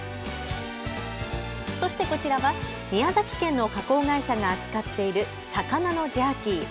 そしてこちらは宮崎県の加工会社が扱っている魚のジャーキー。